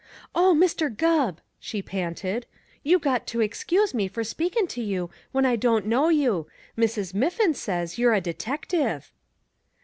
"Oh, Mr. Gubb!" she panted. "You got to excuse me for speakin' to you when I don't know you. Mrs. Miffin says you're a detective."